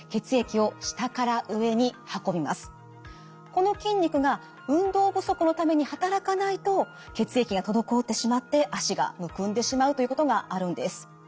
この筋肉が運動不足のために働かないと血液が滞ってしまって脚がむくんでしまうということがあるんです。